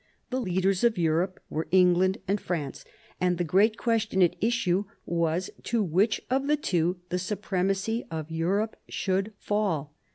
The leaders f Europe were England and France, and the great question at issue was to which of the two the supremacy of Europe should fall.